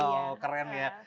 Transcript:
wow keren ya